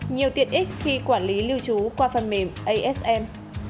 nhiều tiện ích khi quản lý lưu trú qua phần mềm asm